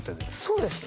そうです。